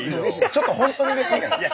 ちょっとうれしいから。